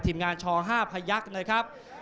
ทีมงานช๕พยักษ์นะครับ